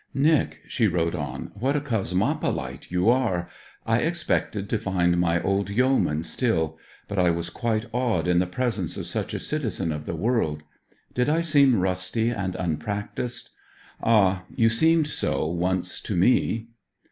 'Nic,' she wrote on, 'what a cosmopolite you are! I expected to find my old yeoman still; but I was quite awed in the presence of such a citizen of the world. Did I seem rusty and unpractised? Ah you seemed so once to me!'